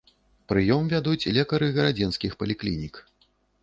Прыём вядуць лекары гарадзенскіх паліклінік.